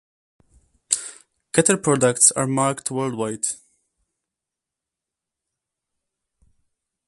Keter products are marketed worldwide.